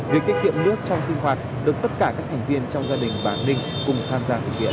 việc tiết kiệm nước trong sinh hoạt được tất cả các thành viên trong gia đình bà ninh cùng tham gia thực hiện